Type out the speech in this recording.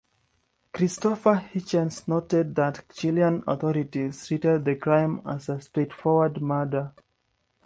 Christopher Hitchens noted that Chilean authorities treated the crime as a straightforward murder.